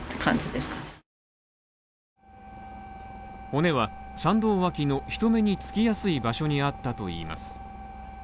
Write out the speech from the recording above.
骨は山道脇の人目につきやすい場所にあったといいます。